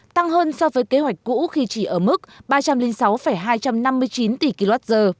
tăng hơn so với kế hoạch cũ khi chỉ ở mức ba trăm linh sáu hai trăm năm mươi chín tỷ kwh